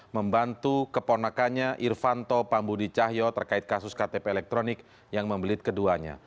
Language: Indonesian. membantu keponakannya irvanto pambudi cahyo terkait kasus ktp elektronik yang membelit keduanya